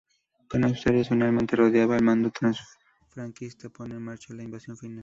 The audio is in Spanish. Con Asturias finalmente rodeada, el mando franquista pone en marcha la invasión final.